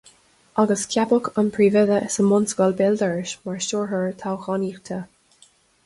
Agus ceapadh an príomhoide sa mbunscoil béal dorais mar stiúrthóir toghchánaíochta.